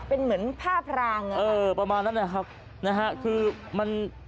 เป็นเหมือนภาพรางนะครับคือมัน